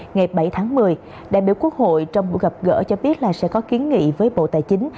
ngày bảy tháng một mươi đại biểu quốc hội trong cuộc gặp gỡ cho biết là sẽ có kiến nghị với bộ tài chính